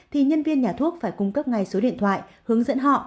thì nhân viên nhà thuốc phải cung cấp ngay số điện thoại hướng dẫn họ